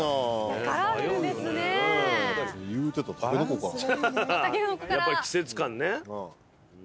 やっぱり季節感ね。